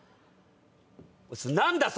何だ？